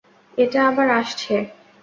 ওটা আবার আসছে!